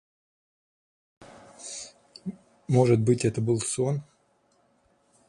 Может быть, это тоже был сон?